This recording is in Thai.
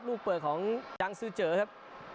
ลูกเปิดของดังซื้อเจอครับ